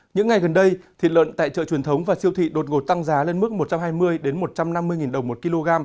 những ngày gần đây thịt lợn tại chợ truyền thống và siêu thị đột ngột tăng giá lên mức một trăm hai mươi một trăm năm mươi đồng một kg